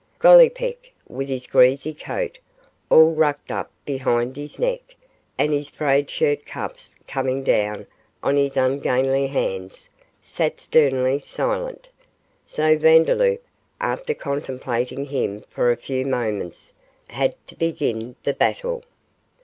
Gollipeck, with his greasy coat, all rucked up behind his neck, and his frayed shirt cuffs coming down on his ungainly hands, sat sternly silent, so Vandeloup, after contemplating him for a few moments, had to begin the battle.